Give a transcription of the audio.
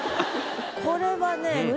これはね